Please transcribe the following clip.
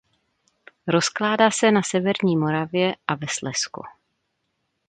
Rozkládá se na severní Moravě a ve Slezsku.